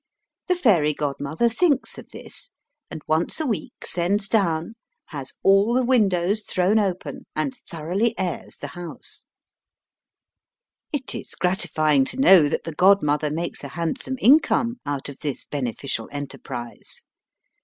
The fairy godmother thinks of this, and once a week sends down, has all the windows thrown open, and thoroughly airs the house. Digitized by VjOOQIC 32 EAST BY WEST. It is gratifying to know that the godmother makes a handsome income out of this bene ficial enterprise.